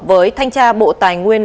với thanh tra bộ tài nguyên